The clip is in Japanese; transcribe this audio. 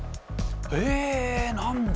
え何だ？